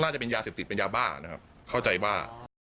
น่าจะเป็นยาเสพติดเป็นยาบ้านะครับเข้าใจบ้า